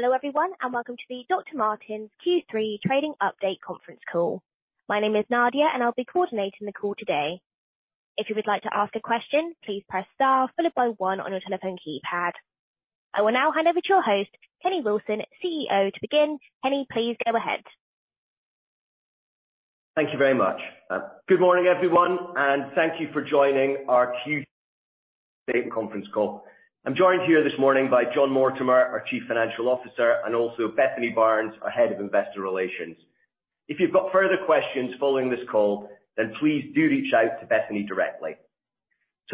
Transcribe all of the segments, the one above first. Hello, everyone, and welcome to the Dr. Martens Q3 trading update conference call. My name is Nadia, and I'll be coordinating the call today. If you would like to ask a question, please press star followed by one on your telephone keypad. I will now hand over to your host, Kenny Wilson, CEO, to begin. Kenny, please go ahead. Thank you very much. Good morning, everyone, and thank you for joining our Q3 trading conference call. I'm joined here this morning by Jon Mortimore, our Chief Financial Officer, and also Bethany Barnes, our Head of Investor Relations. If you've got further questions following this call, then please do reach out to Bethany directly.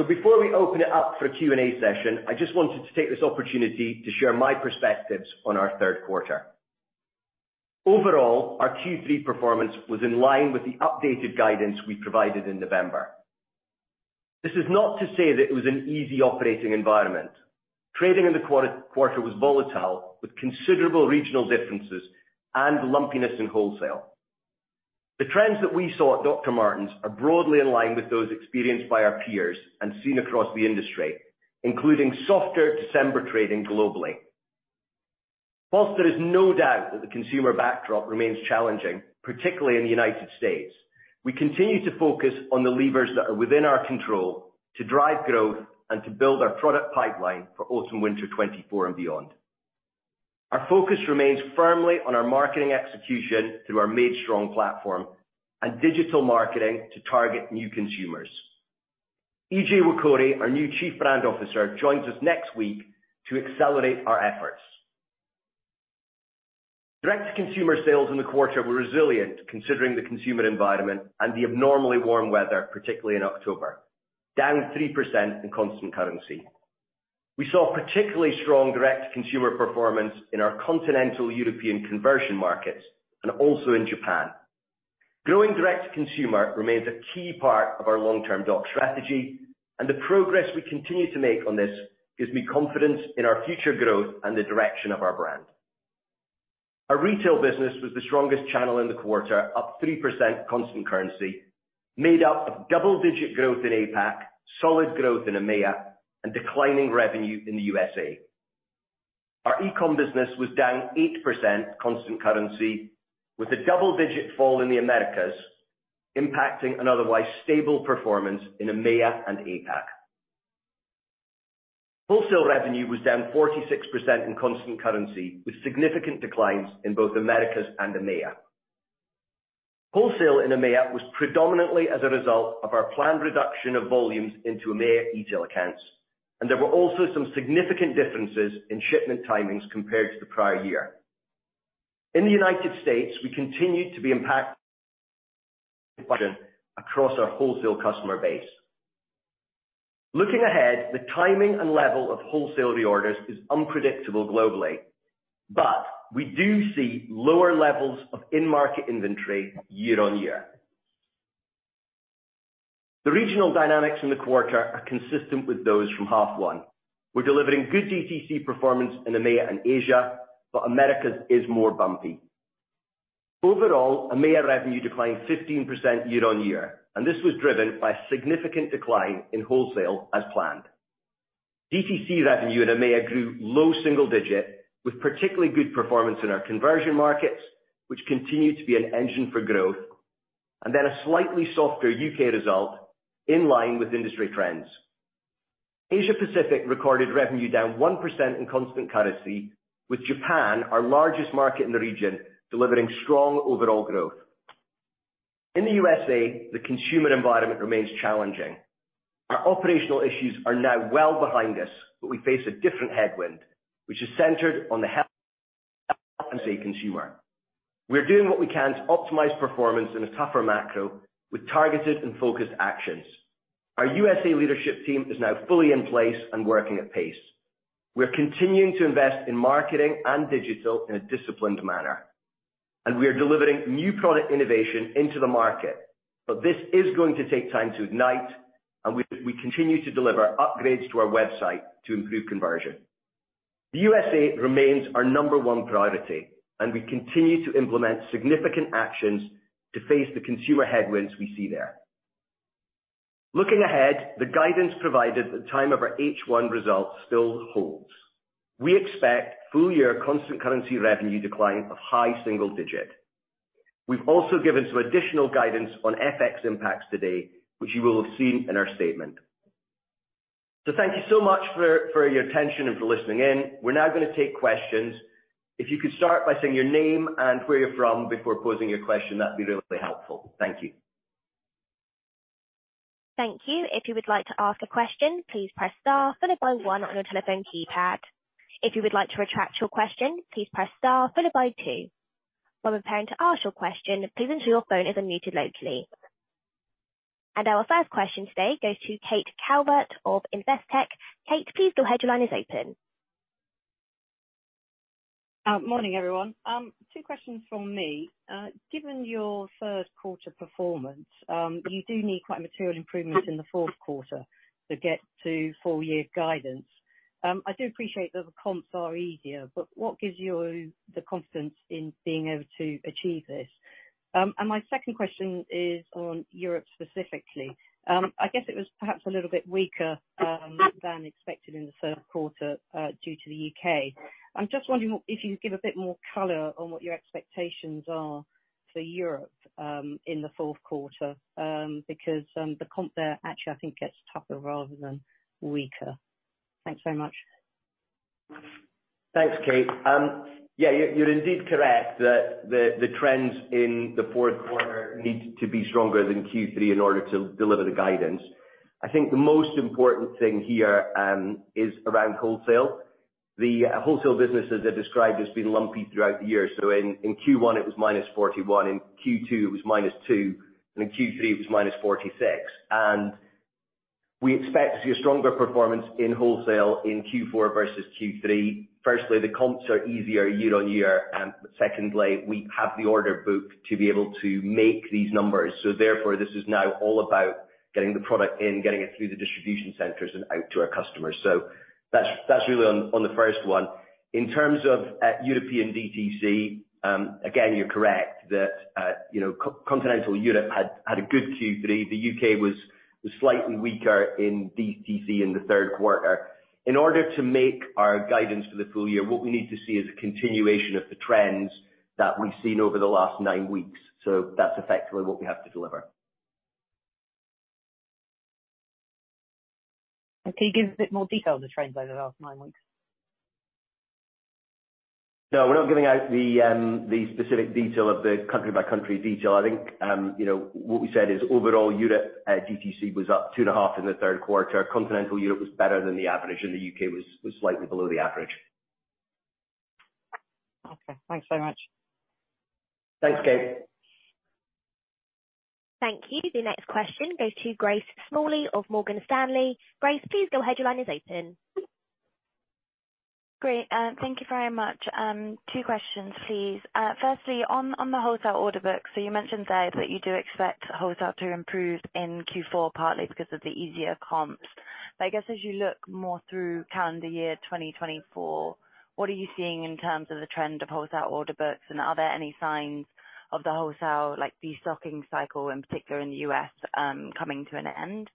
Before we open it up for a Q&A session, I just wanted to take this opportunity to share my perspectives on our third quarter. Overall, our Q3 performance was in line with the updated guidance we provided in November. This is not to say that it was an easy operating environment. Trading in the quarter was volatile, with considerable regional differences and lumpiness in wholesale. The trends that we saw at Dr. Martens are broadly in line with those experienced by our peers and seen across the industry, including softer December trading globally. While there is no doubt that the consumer backdrop remains challenging, particularly in the United States, we continue to focus on the levers that are within our control to drive growth and to build our product pipeline for autumn/winter 2024 and beyond. Our focus remains firmly on our marketing execution through our Made Strong platform and digital marketing to target new consumers. Ije Nwokorie, our new Chief Brand Officer, joins us next week to accelerate our efforts. Direct-to-consumer sales in the quarter were resilient, considering the consumer environment and the abnormally warm weather, particularly in October, down 3% in constant currency. We saw particularly strong direct-to-consumer performance in our continental European conversion markets and also in Japan. Growing direct to consumer remains a key part of our long-term Doc strategy, and the progress we continue to make on this gives me confidence in our future growth and the direction of our brand. Our retail business was the strongest channel in the quarter, up 3% constant currency, made up of double-digit growth in APAC, solid growth in EMEA, and declining revenue in the U.S.A. Our e-com business was down 8% constant currency, with a double-digit fall in the Americas, impacting an otherwise stable performance in EMEA and APAC. Wholesale revenue was down 46% in constant currency, with significant declines in both Americas and EMEA. Wholesale in EMEA was predominantly as a result of our planned reduction of volumes into EMEA e-tail accounts, and there were also some significant differences in shipment timings compared to the prior year. In the United States, we continued to be impacted across our wholesale customer base. Looking ahead, the timing and level of wholesale reorders is unpredictable globally, but we do see lower levels of in-market inventory year-over-year. The regional dynamics in the quarter are consistent with those from half one. We're delivering good DTC performance in EMEA and Asia, but Americas is more bumpy. Overall, EMEA revenue declined 15% year-over-year, and this was driven by significant decline in wholesale as planned. DTC revenue in EMEA grew low single digit, with particularly good performance in our conversion markets, which continued to be an engine for growth, and then a slightly softer U.K. result in line with industry trends. Asia Pacific recorded revenue down 1% in constant currency, with Japan, our largest market in the region, delivering strong overall growth. In the U.S.A, the consumer environment remains challenging. Our operational issues are now well behind us, but we face a different headwind, which is centered on the consumer. We're doing what we can to optimize performance in a tougher macro with targeted and focused actions. Our U.S.A leadership team is now fully in place and working at pace. We're continuing to invest in marketing and digital in a disciplined manner, and we are delivering new product innovation into the market. But this is going to take time to ignite, and we continue to deliver upgrades to our website to improve conversion. The U.S.A remains our number one priority, and we continue to implement significant actions to face the consumer headwinds we see there. Looking ahead, the guidance provided at the time of our H1 results still holds. We expect full-year constant currency revenue decline of high single digit. We've also given some additional guidance on FX impacts today, which you will have seen in our statement. So thank you so much for your attention and for listening in. We're now going to take questions. If you could start by saying your name and where you're from before posing your question, that'd be really helpful. Thank you. Thank you. If you would like to ask a question, please press star followed by one on your telephone keypad. If you would like to retract your question, please press star followed by two. While preparing to ask your question, please ensure your phone is unmuted locally. Our first question today goes to Kate Calvert of Investec. Kate, please go ahead. Your line is open. Morning, everyone. Two questions from me. Given your third quarter performance, you do need quite a material improvement in the fourth quarter to get to full year guidance. I do appreciate that the comps are easier, but what gives you the confidence in being able to achieve this? And my second question is on Europe specifically. I guess it was perhaps a little bit weaker than expected in the third quarter due to the U.K. I'm just wondering what- if you could give a bit more color on what your expectations are for Europe in the fourth quarter because the comp there actually, I think, gets tougher rather than weaker. Thanks very much. Thanks, Kate. Yeah, you're indeed correct that the trends in the fourth quarter need to be stronger than Q3 in order to deliver the guidance. I think the most important thing here is around wholesale. The wholesale business, as I described, has been lumpy throughout the year, so in Q1 it was -41, in Q2 it was minus two, and in Q3 it was -46. We expect to see a stronger performance in wholesale in Q4 versus Q3. Firstly, the comps are easier year-on-year, and secondly, we have the order book to be able to make these numbers. So therefore, this is now all about getting the product in, getting it through the distribution centers and out to our customers. So that's really on the first one. In terms of European DTC, again, you're correct that, you know, continental Europe had a good Q3. The U.K. was slightly weaker in DTC in the third quarter. In order to make our guidance for the full year, what we need to see is a continuation of the trends that we've seen over the last nine weeks. So that's effectively what we have to deliver. Can you give a bit more detail on the trends over the last nine weeks? No, we're not giving out the, the specific detail of the country-by-country detail. I think, you know, what we said is overall Europe at DTC was up 2.5 in the third quarter. Continental Europe was better than the average, and the U.K. was slightly below the average. Okay. Thanks so much. Thanks, Kate. Thank you. The next question goes to Grace Smalley of Morgan Stanley. Grace, please go ahead. Your line is open. Great, thank you very much. Two questions, please. Firstly, on the wholesale order book. So you mentioned, today, that you do expect wholesale to improve in Q4, partly because of the easier comps. But I guess as you look more through calendar year 2024, what are you seeing in terms of the trend of wholesale order books? And are there any signs of the wholesale, like, destocking cycle, in particular in the U.S., coming to an end?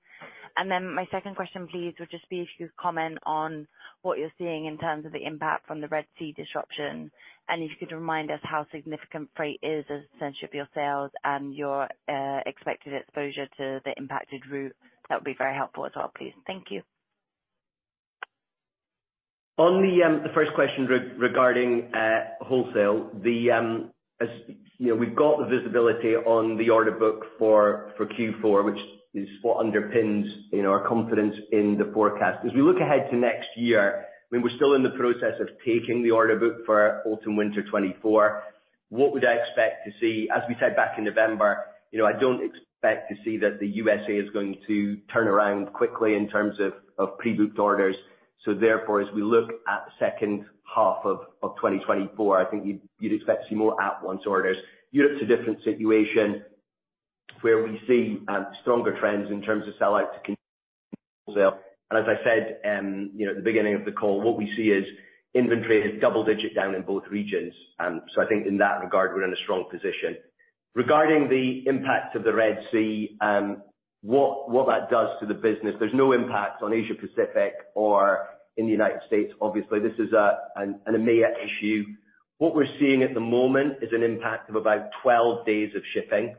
And then my second question, please, would just be if you could comment on what you're seeing in terms of the impact from the Red Sea disruption, and if you could remind us how significant freight is as a percentage of your sales and your expected exposure to the impacted route. That would be very helpful as well, please. Thank you. On the first question regarding wholesale, as you know, we've got the visibility on the order book for Q4, which is what underpins, you know, our confidence in the forecast. As we look ahead to next year, I mean, we're still in the process of taking the order book for autumn/winter 2024. What would I expect to see? As we said back in November, you know, I don't expect to see that the USA is going to turn around quickly in terms of pre-booked orders. So therefore, as we look at the second half of 2024, I think you'd expect to see more at-once orders. Europe's a different situation, where we see stronger trends in terms of sellout too. And as I said, you know, at the beginning of the call, what we see is inventory is double-digit down in both regions. So I think in that regard, we're in a strong position. Regarding the impact of the Red Sea, what that does to the business, there's no impact on Asia Pacific or in the United States. Obviously, this is an EMEA issue. What we're seeing at the moment is an impact of about 12 days of shipping,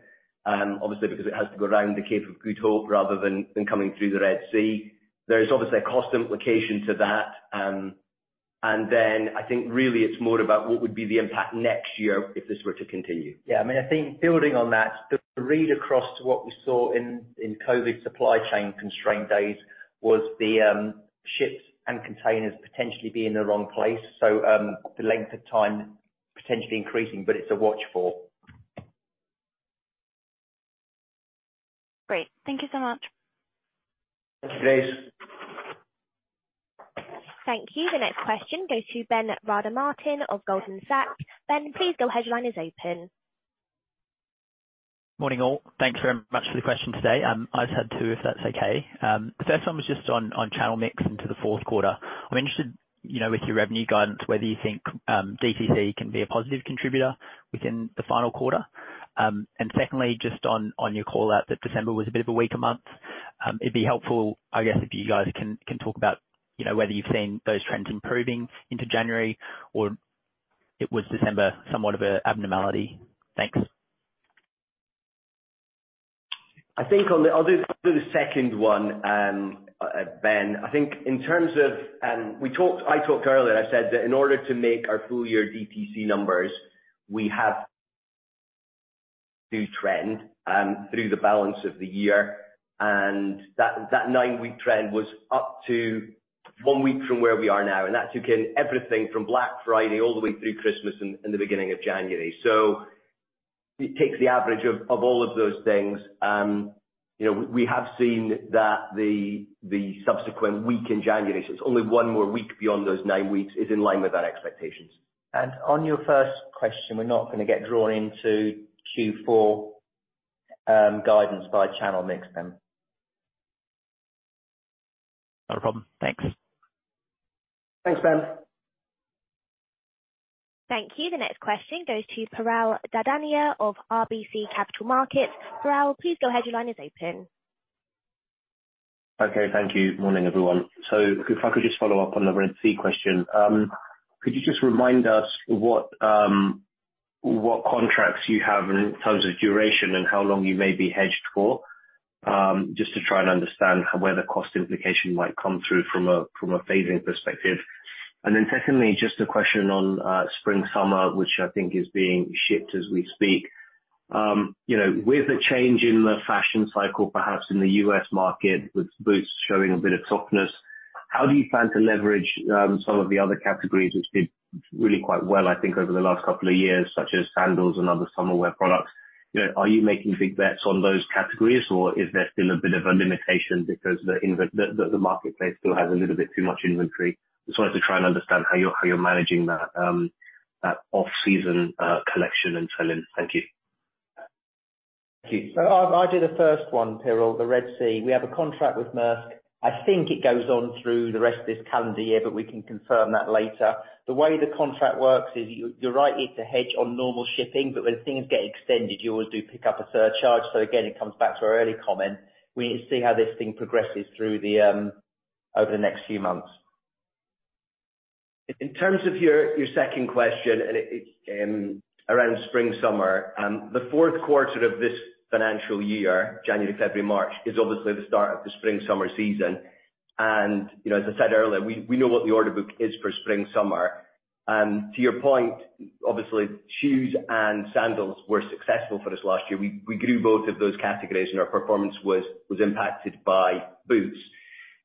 obviously, because it has to go around the Cape of Good Hope rather than coming through the Red Sea. There is obviously a cost implication to that, and then I think really it's more about what would be the impact next year if this were to continue. Yeah, I mean, I think building on that, the read across to what we saw in in COVID supply chain constraint days was the ships and containers potentially being in the wrong place. So, the length of time potentially increasing, but it's a watch for. Great. Thank you so much. Thank you, Grace. Thank you. The next question goes to Ben Rada Martin of Goldman Sachs. Ben, please go ahead. Your line is open. Morning, all. Thanks very much for the question today. I just had two, if that's okay. The first one was just on channel mix into the fourth quarter. I'm interested, you know, with your revenue guidance, whether you think DTC can be a positive contributor within the final quarter? And secondly, just on your call out that December was a bit of a weaker month. It'd be helpful, I guess, if you guys can talk about, you know, whether you've seen those trends improving into January or it was December somewhat of a abnormality. Thanks. I think I'll do the second one, Ben. I think in terms of, we talked. I talked earlier. I said that in order to make our full year DTC numbers, we have to trend through the balance of the year, and that nine-week trend was up to one week from where we are now, and that took in everything from Black Friday all the way through Christmas and, and the beginning of January. So it takes the average of, of all of those things. You know, we, we have seen that the, the subsequent week in January, so it's only one more week beyond those nine weeks, is in line with our expectations. On your first question, we're not going to get drawn into Q4 guidance by channel mix then. Not a problem. Thanks. Thanks, Ben. Thank you. The next question goes to Piral Dadhania of RBC Capital Markets. Piral, please go ahead. Your line is open. Okay, thank you. Morning, everyone. So if I could just follow up on the Red Sea question. Could you just remind us what contracts you have in terms of duration and how long you may be hedged for? Just to try and understand where the cost implication might come through from a phasing perspective. And then secondly, just a question on spring/summer, which I think is being shipped as we speak. You know, with the change in the fashion cycle, perhaps in the U.S. market, with boots showing a bit of softness, how do you plan to leverage some of the other categories which did really quite well, I think, over the last couple of years, such as sandals and other summer wear products? You know, are you making big bets on those categories, or is there still a bit of a limitation because the marketplace still has a little bit too much inventory? Just wanted to try and understand how you're managing that off-season collection and selling. Thank you. Thank you. So I'll do the first one, Piral, the Red Sea. We have a contract with Maersk. I think it goes on through the rest of this calendar year, but we can confirm that later. The way the contract works is you're right, it's a hedge on normal shipping, but when things get extended, you always do pick up a surcharge. So again, it comes back to our earlier comment. We need to see how this thing progresses through the over the next few months. In terms of your second question, and it around spring/summer, the fourth quarter of this financial year, January, February, March, is obviously the start of the spring/summer season. You know, as I said earlier, we know what the order book is for spring/summer. To your point, obviously, shoes and sandals were successful for us last year. We grew both of those categories, and our performance was impacted by boots.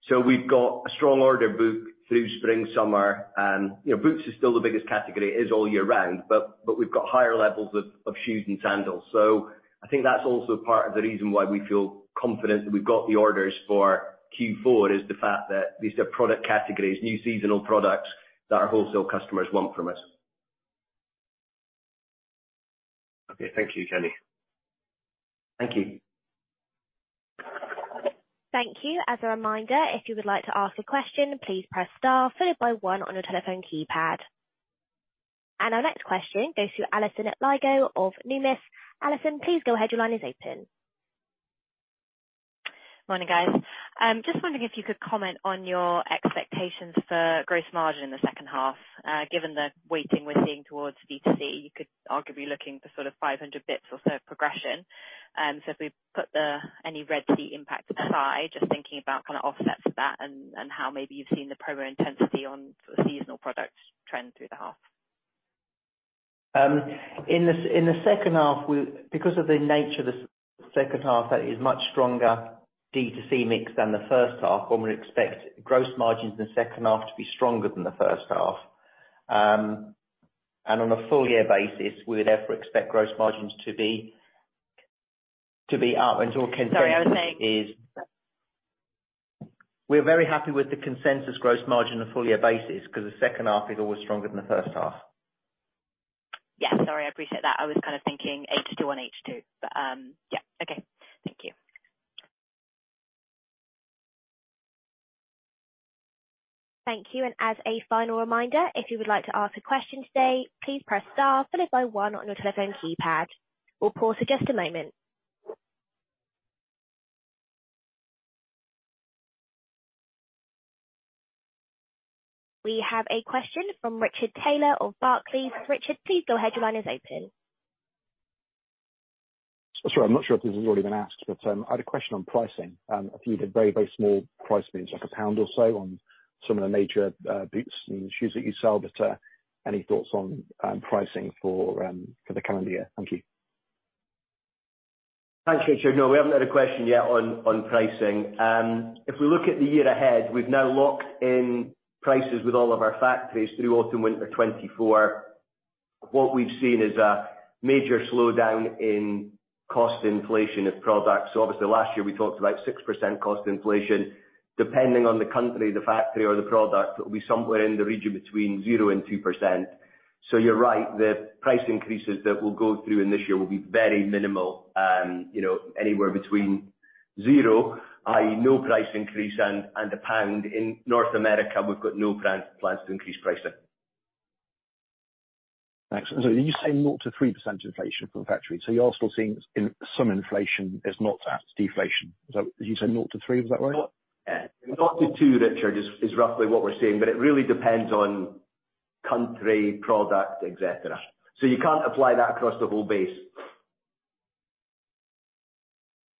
So we've got a strong order book through spring/summer, and you know, boots is still the biggest category. It is all year round, but we've got higher levels of shoes and sandals. So I think that's also part of the reason why we feel confident that we've got the orders for Q4, is the fact that these are product categories, new seasonal products, that our wholesale customers want from us. Okay. Thank you, Kenny. Thank you. Thank you. As a reminder, if you would like to ask a question, please press star followed by one on your telephone keypad. Our next question goes to Alison Lygo of Numis. Alison, please go ahead. Your line is open. Morning, guys. Just wondering if you could comment on your expectations for gross margin in the second half, given the weighting we're seeing towards D2C, you could arguably be looking for sort of 500 bips or so of progression. So if we put any Red Sea impact aside, just thinking about kind of offsets to that and how maybe you've seen the promo intensity on seasonal products trend through the half. In the second half, because of the nature of the second half, that is much stronger D2C mix than the first half, one would expect gross margins in the second half to be stronger than the first half. And on a full year basis, we would therefore expect gross margins to be up and our consensus is. Sorry, I was saying. We're very happy with the consensus gross margin on a full year basis, because the second half is always stronger than the first half. Yeah, sorry, I appreciate that. I was kind of thinking H2 on H2, but, yeah. Okay. Thank you. Thank you, and as a final reminder, if you would like to ask a question today, please press star followed by one on your telephone keypad. We'll pause for just a moment. We have a question from Richard Taylor of Barclays. Richard, please go ahead. Your line is open. Sorry, I'm not sure if this has already been asked, but, I had a question on pricing. I think you had very, very small price moves, like GBP 1 or so on some of the major boots and shoes that you sell. But, any thoughts on, pricing for, for the calendar year? Thank you. Thanks, Richard. No, we haven't had a question yet on pricing. If we look at the year ahead, we've now locked in prices with all of our factories through autumn/winter 2024. What we've seen is a major slowdown in cost inflation of products. So obviously, last year we talked about 6% cost inflation. Depending on the country, the factory or the product, it will be somewhere in the region between 0% and 2%. So you're right, the price increases that we'll go through in this year will be very minimal. You know, anywhere between zero, i.e., no price increase, and GBP 1. In North America, we've got no plans to increase pricing. Thanks. So you say 0%-3% inflation from factories, so you're still seeing some inflation is 0% to deflation. Is that, did you say 0%-3%? Is that right? 0%-2%, Richard, is roughly what we're seeing, but it really depends on country, product, et cetera. You can't apply that across the whole base.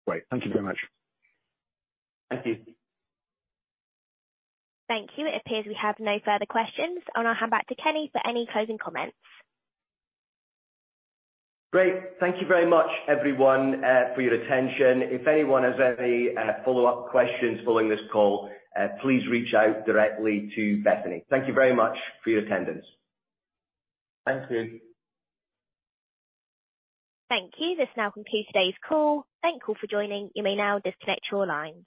Great. Thank you very much. Thank you. Thank you. It appears we have no further questions. I'm going to hand back to Kenny for any closing comments. Great. Thank you very much, everyone, for your attention. If anyone has any follow-up questions following this call, please reach out directly to Bethany. Thank you very much for your attendance. Thank you. Thank you. This now concludes today's call. Thank you for joining. You may now disconnect your lines.